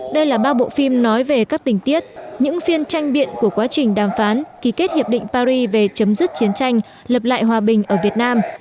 đây là ba bộ phim nói về các tình tiết những phiên tranh biện của quá trình đàm phán ký kết hiệp định paris về chấm dứt chiến tranh lập lại hòa bình ở việt nam